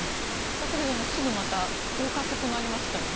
だけれどもすぐ降格となりましたよね。